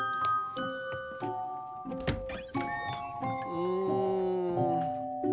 うん。